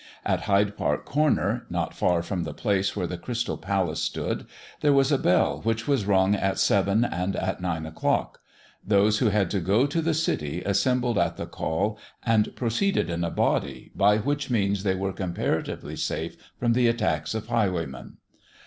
At Hyde Park corner, not far from the place where the Crystal Palace stood, there was a bell which was rung at seven and at nine o'clock; those who had to go to the city assembled at the call and proceeded in a body, by which means they were comparatively safe from the attacks of highwaymen.